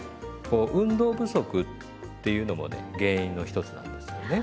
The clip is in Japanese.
こう運動不足っていうのもね原因の一つなんですよね。